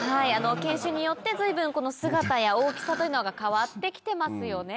犬種によって随分姿や大きさというのが変わって来てますよね。